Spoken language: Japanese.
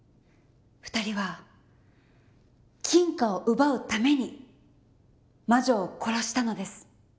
２人は金貨を奪うために魔女を殺したのです。